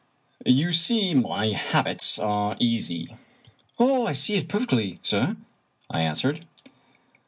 " You see my habits are easy." " I see it perfectly, sir," I answered.